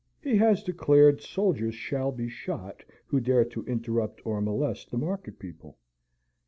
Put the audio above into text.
He has declared soldiers shall be shot who dare to interrupt or molest the market people.